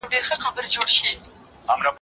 گيلگى د موږي په زور غورځي.